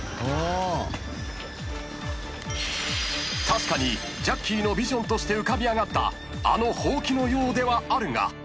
［確かにジャッキーのビジョンとして浮かび上がったあのほうきのようではあるが］